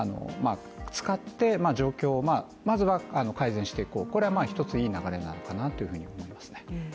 使って状況をまずは、改善していこうこれは一ついい流れなのかなというふうに思いますね。